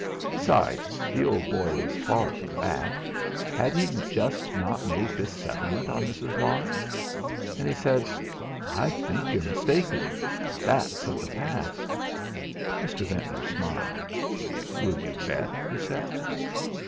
Besides, the old boy was far from that! Had he not just made this settlement on Mrs. Larne? And he said: "I think you're mistaken. That's of the past." Mr. Ventnor smiled. "Will you bet?" he said.